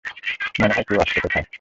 মনে হয় কেউ আসছে - কোথায়?